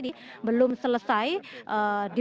ini untuk menangani dan juga menyelesaikan proses ganti